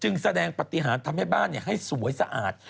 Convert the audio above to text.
จึงแสดงปฏิหารทำให้บ้านเนี่ยให้สวยสะอาด